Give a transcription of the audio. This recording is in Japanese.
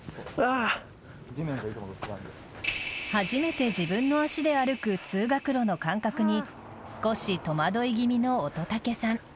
初めて自分の足で歩く通学路の感覚に少し戸惑い気味の乙武さん。